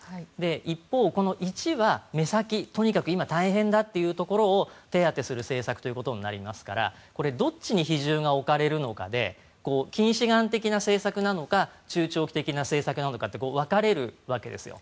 一方、この１は目先、とにかく今、大変だというところを手当てする政策となりますからどっちに比重が置かれるのかで近視眼的な政策なのか中長期的な政策なのかって分かれるわけですよ。